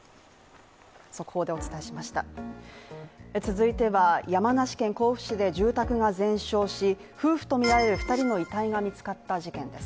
速報でお伝えしました続いては山梨県甲府市で住宅が全焼し、夫婦とみられる２人の遺体が見つかった事件です。